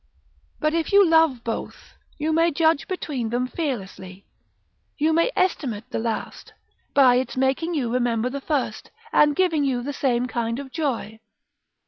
But if you love both, you may judge between them fearlessly; you may estimate the last, by its making you remember the first, and giving you the same kind of joy.